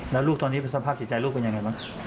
แล้วลูกตอนนี้สภาพจิตใจลูกเป็นยังไงบ้าง